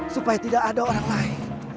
supaya tidak ada orang lain